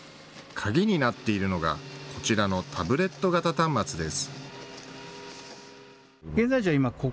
鍵になっているのがこちらのタブレット型端末です。